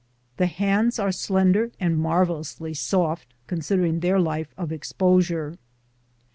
The hands are slender and marvellously soft consider ing their life of exposure.